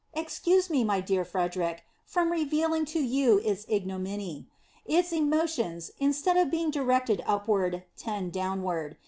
Excuse me, my dear Fred eric, from revealing to you its ignominy. Its emotions, instead of being directed upward, tend downward.